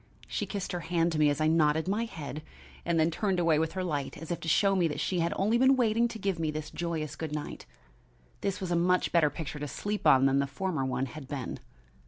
She kissed her hand to me as I nodded my head, and then turned away with her light as if to show me she had only been waiting to give me this joyous good night. This was a much better picture to sleep on than the former one had been.